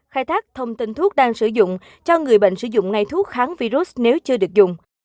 khai thác thông tin thuốc đang sử dụng cho người bệnh sử dụng ngay thuốc kháng virus nếu chưa được dùng